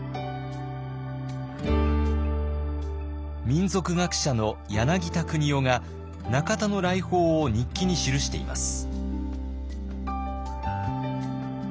民俗学者の柳田国男が中田の来訪を日記に記しています。